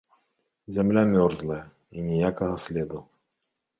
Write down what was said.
Зямля мёрзлая, і ніякага следу.